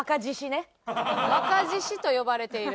若獅子と呼ばれている？